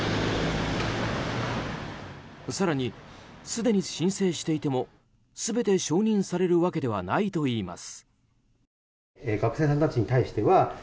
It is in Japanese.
更に、すでに申請していても全て承認されるわけではないといいます。